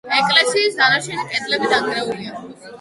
ეკლესიის დანარჩენი კედლები დანგრეულია.